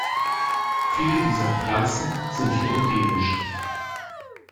Viele dieser Pflanzen sind hier endemisch.